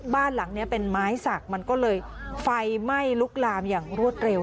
บ้านหลังนี้เป็นไม้สักมันก็เลยไฟไหม้ลุกลามอย่างรวดเร็ว